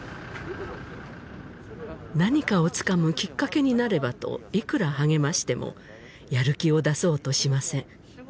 何かをつかむきっかけになればといくら励ましてもやる気を出そうとしません